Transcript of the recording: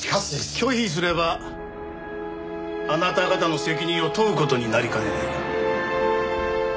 拒否すればあなた方の責任を問う事になりかねないが。